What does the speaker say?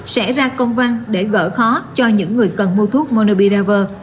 sẽ ra công văn để gỡ khó cho những người cần mua thuốc monobiraver